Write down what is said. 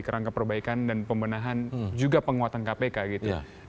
kerangka perbaikan dan pembenahan juga penguatan kpk gitu